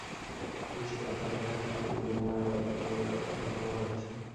বৃষ্টি অব্যাহত থাকলে ক্ষতির পরিমাণ আরও বাড়তে পারে বলে আশঙ্কা করা হচ্ছে।